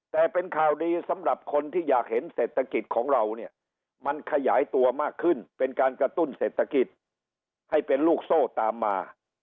แต่เป็นข่าวดีสำหรับคนที่อยากเห็นเศรษฐกิจของเราเนี่ยมันขยายตัวมากขึ้นเป็นการกระตุ้นเศรษฐกิจให้เป็นลูกโซ่ตามมา